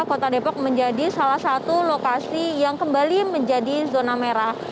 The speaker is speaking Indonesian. kota depok menjadi salah satu lokasi yang kembali menjadi zona merah